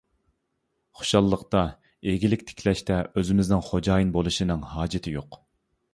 خۇشاللىقتا، ئىگىلىك تىكلەشتە ئۆزىمىزنىڭ خوجايىن بولۇشىنىڭ ھاجىتى يوق.